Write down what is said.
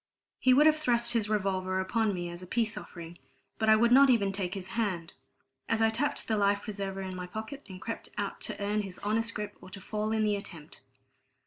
And he would have thrust his revolver upon me as a peace offering, but I would not even take his hand, as I tapped the life preserver in my pocket, and crept out to earn his honest grip or to fall in the attempt.